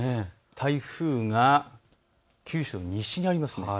台風が九州の西にあります。